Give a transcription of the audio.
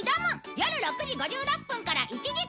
よる６時５６分から１時間